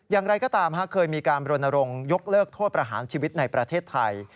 อย่างไรก็ตามเคยมีการบรณรงค์ยกเลิกโทษประหารชีวิตในประเทศไทย